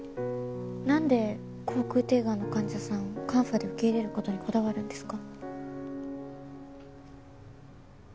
なんで口腔底癌の患者さんカンファで受け入れる事にこだわるんですか？